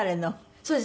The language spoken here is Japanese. そうです。